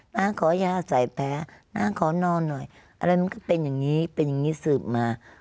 ขอยาใส่แพ้น้าขอนอนหน่อยอะไรมันก็เป็นอย่างนี้เป็นอย่างนี้สืบมา